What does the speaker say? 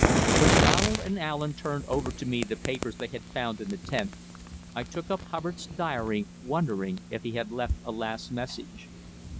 When Donald and Allen turned over to me the papers they had found in the tent, I took up Hubbard's diary wondering if he had left a last message.